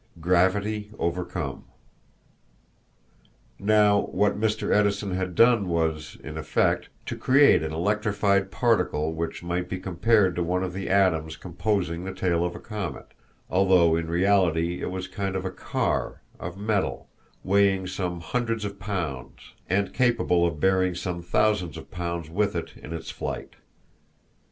Gravity Overcome. Now, what Mr. Edison had done was, in effect, to create an electrified particle which might be compared to one of the atoms composing the tail of a comet, although in reality it was a kind of car, of metal, weighing some hundreds of pounds and capable of bearing some thousands of pounds with it in its flight.